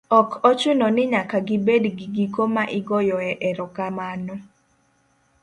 Ok ochuno ni nyaka gibed gigiko ma igoyoe erokamano